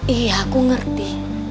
iya aku ngerti